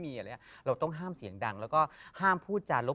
พี่ยังไม่ได้เลิกแต่พี่ยังไม่ได้เลิก